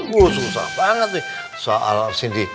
wah susah banget nih soal sindi